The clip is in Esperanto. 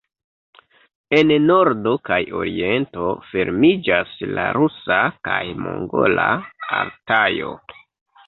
En nordo kaj oriento fermiĝas la rusa kaj mongola Altajo.